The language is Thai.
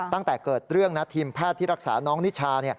ตั้งแต่เกิดเรื่องนะทีมแพทย์ที่รักษาน้องนิชา